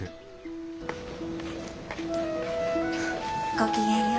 ごきげんよう。